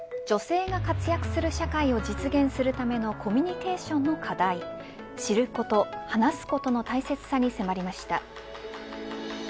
女性が活躍する社会を実現するためのコミュニケーションの課題知ること、話すことの大切さに迫りました。